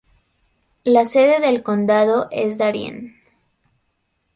La sede del condado es Darien.